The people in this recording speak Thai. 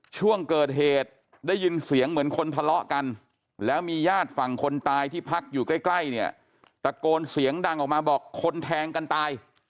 ผู้ถูกถูกหนังก็มาบอกคนแทงกันตาย